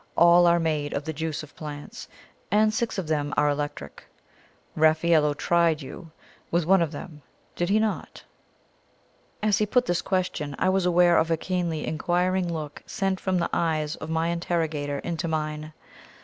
All are made of the juice of plants, and six of them are electric. Raffaello tried you with one of them, did he not?" As he put this question, I was aware of a keenly inquiring look sent from the eyes of my interrogator into mine.